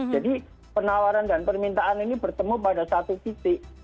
jadi penawaran dan permintaan ini bertemu pada satu titik